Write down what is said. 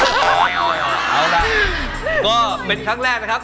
เอาล่ะก็เป็นครั้งแรกนะครับ